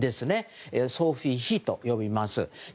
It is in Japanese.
ソフィー妃と呼びます。